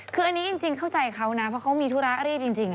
คืออันนี้จริงเข้าใจเขานะเพราะเขามีธุระรีบจริง